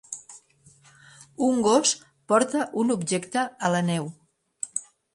Un gos porta un objecte a la neu.